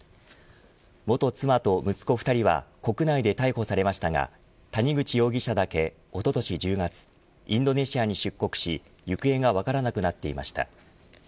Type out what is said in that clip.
元妻と息子２人は国内で逮捕されましたが谷口容疑者だけおととし１０月インドネシアに出国し行方が分からなくなっていました。